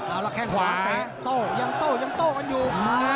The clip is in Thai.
อาระแข้งขวานะโต๊ะยังโต๊ะกันอยู่